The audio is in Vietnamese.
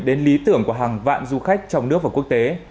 đến lý tưởng của hàng vạn du khách trong nước và quốc tế